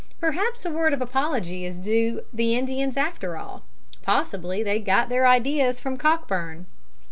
Perhaps a word of apology is due the Indians after all. Possibly they got their ideas from Cockburn.